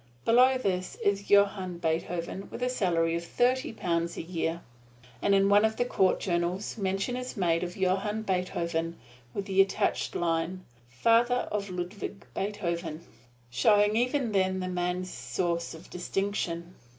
Below this is Johann Beethoven with a salary of thirty pounds a year. And in one of the court journals mention is made of Johann Beethoven with the added line, "father of Ludwig Beethoven," showing even then the man's source of distinction.